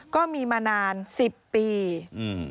ก็มีมานานสิบปีอืม